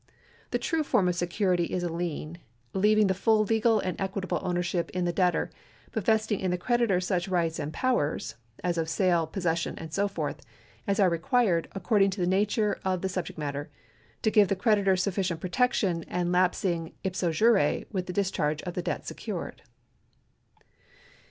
The true form of security is a lien, leaving the full legal and equitable ownership in the debtor, but vesting in the creditor such rights and powers (as of sale, possession, and so forth) as are required, according to the nature of the subject matter, to give the creditor sufficient protection, and lapsing ipso jure with the discharge of the debt secured.